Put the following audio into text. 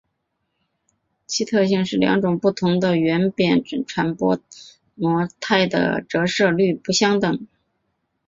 其特性是两种不同的圆偏振传播模态的折射率不相等。